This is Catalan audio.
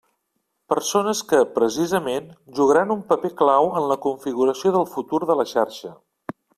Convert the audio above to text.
Persones que, precisament, jugaran un paper clau en la configuració del futur de la xarxa.